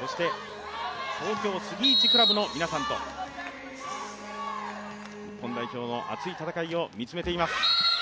そして東京杉一クラブの皆さんと、日本代表の熱い戦いを見つめています。